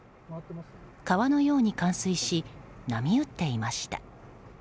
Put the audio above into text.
川のように冠水し波打っていました。